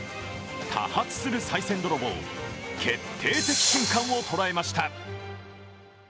多発するさい銭泥棒、決定的瞬間を捉えました。